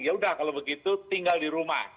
ya udah kalau begitu tinggal di rumah